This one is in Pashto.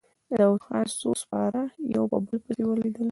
د داوودخان څو سپاره يو په بل پسې ولوېدل.